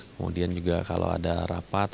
kemudian juga kalau ada rapat